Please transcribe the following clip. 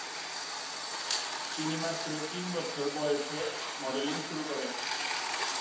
তিনি মাত্র তিন বছর বয়সে মডেলিং শুরু করেন।